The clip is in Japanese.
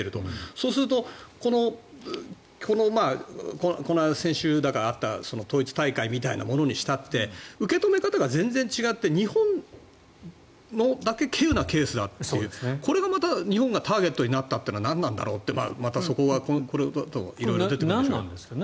そうするとこの間、先週だかあった統一大会みたいなものにしたって受け止め方が全然違って日本だけ希有なケースであるというこれがまた日本がターゲットになったのは何なんだろうって、そこは色々出てくるんでしょうが。